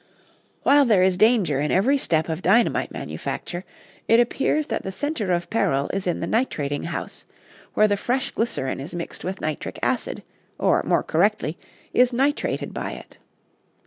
"] While there is danger in every step of dynamite manufacture, it appears that the center of peril is in the nitrating house, where the fresh glycerin is mixed with nitric acid, or, more correctly, is nitrated by it.